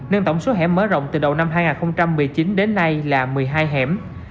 nên tổng số hẻm mở rộng từ đầu năm hai nghìn một mươi chín đến nay là một mươi hai hẻm